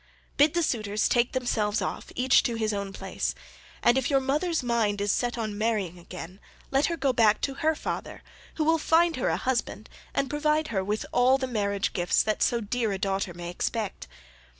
Bid the suitors take themselves off, each to his own place, and if your mother's mind is set on marrying again, let her go back to her father, who will find her a husband and provide her with all the marriage gifts that so dear a daughter may expect.